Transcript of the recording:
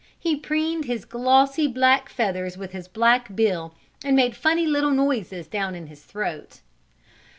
He preened his glossy black feathers with his black bill, and made funny little noises down in his throat.